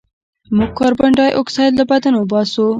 موږ کاربن ډای اکسایډ له بدن وباسو